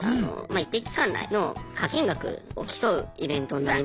一定期間内の課金額を競うイベントになる。